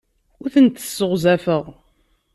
Ur tent-sseɣzafeɣ.